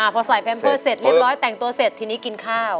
พอใส่แพมเพอร์เสร็จเรียบร้อยแต่งตัวเสร็จทีนี้กินข้าว